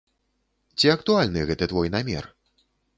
Ці актуальны гэты твой намер?